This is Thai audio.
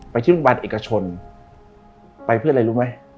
ที่โรงพยาบาลเอกชนไปเพื่ออะไรรู้ไหม